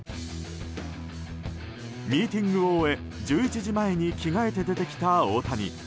ミーティングを終え、１１時前に着替えて出てきた大谷。